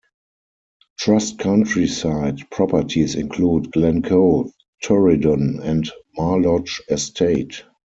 Trust countryside properties include Glen Coe, Torridon and Mar Lodge Estate.